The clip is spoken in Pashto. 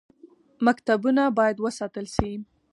مکتبونه باید وساتل شي